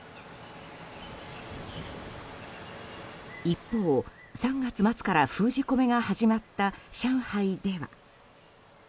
一方、３月末から封じ込めが始まった上海では。